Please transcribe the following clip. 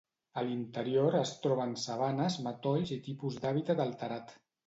A l'interior es troba en sabanes, matolls i tipus d'hàbitat alterat.